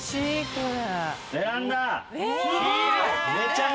ベランダ。